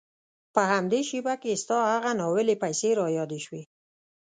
په همدې شېبه کې ستا هغه ناولې پيسې را یادې شوې.